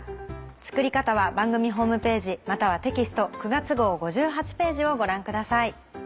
作り方は番組ホームページまたはテキスト９月号５８ページをご覧ください。